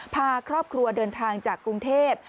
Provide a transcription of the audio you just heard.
พาครอบครัวเดินทางจากกรุงเทพ